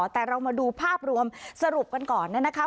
แต่เรามาดูภาพรวมสรุปกันก่อนเนี่ยนะคะ